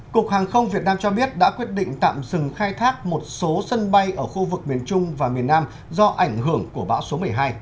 cục hàng không việt nam cho biết đã quyết định tạm dừng khai thác một số sân bay ở khu vực miền trung và miền nam do ảnh hưởng của bão số một mươi hai